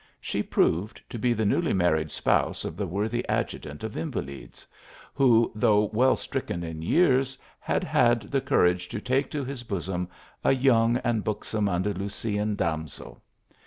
She proved to be the newly married spouse of the worthy adjutant of invalids ; who, though well stricken in years, had had the courage to take to his bosom a young and buxom Andalusian damsel.